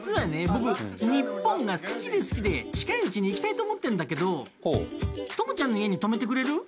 僕日本が好きで好きで近いうちに行きたいと思ってんだけどトモちゃんの家に泊めてくれる？